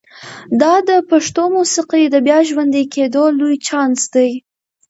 دا د پښتو موسیقۍ د بیا ژوندي کېدو لوی چانس دی.